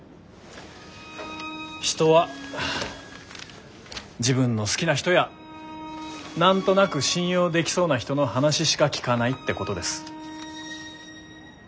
人は自分の好きな人や何となく信用できそうな人の話しか聞かないってことです。